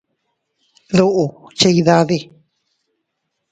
¿Duʼu chidade?